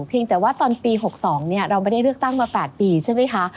แต่ว่าตอนปี๖๒เราไม่ได้เลือกตั้งมา๘ปีใช่ไหมคะ